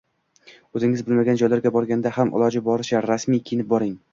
O‘zingiz bilmagan joylarga borganda ham iloji boricha rasmiy kiyinib boring.